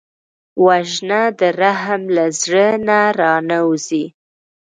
وژنه د رحم له زړه نه را نهوزي